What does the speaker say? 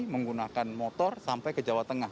menggunakan motor sampai ke jawa tengah